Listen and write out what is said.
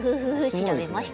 調べました。